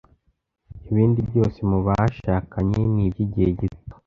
Ibindi byose mu bashakanye ni iby'igihe gito. ”